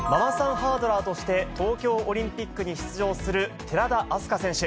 ハードラーとして、東京オリンピックに出場する寺田明日香選手。